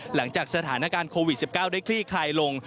หลังจากสถานการณ์โควิด๑๙ได้คลี่คลายลง